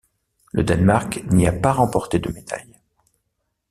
Le Danemark n'y a pas remporté de médaille.